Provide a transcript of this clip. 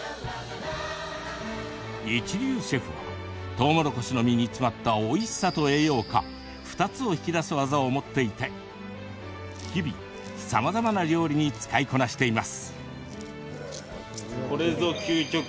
一流シェフはとうもろこしの実に詰まったおいしさと栄養価２つを引き出す技を持っていて日々、さまざまな料理に使いこなしています。